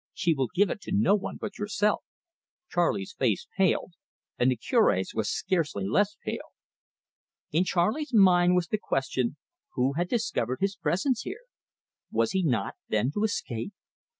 She will give it to no one but yourself." Charley's face paled, and the Cure's was scarcely less pale. In Charley's mind was the question, Who had discovered his presence here? Was he not, then, to escape?